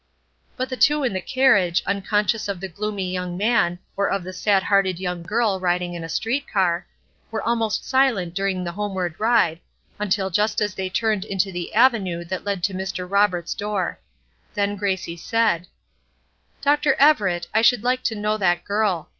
But the two in the carriage, unconscious of the gloomy young man, or of the sad hearted young girl riding in a street car, were almost silent during the homeward ride, until just as they turned into the avenue that led to Mr. Roberts' door. Then Grace said: "Dr. Everett, I should like to know that girl.